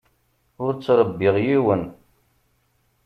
Ur ttṛebbiɣ yiwen.